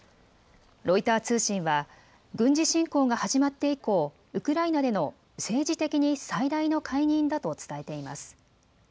ロイター通信は軍事侵攻が始まって以降、ウクライナでの政治的に最大の解任だと伝えています。